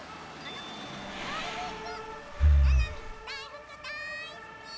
ななみだいふくだいすき！